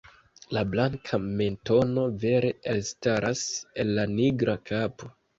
La blanka mentono vere elstaras el la nigra kapo.